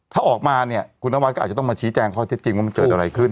ถ้าออกมาเนี่ยคุณนวัดก็อาจจะต้องมาชี้แจงข้อเท็จจริงว่ามันเกิดอะไรขึ้น